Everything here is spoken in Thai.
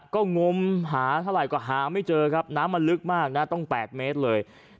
ก็งมหาเท่าไหร่ก็หาไม่เจอครับน้ำมันลึกมากนะต้อง๘เมตรเลย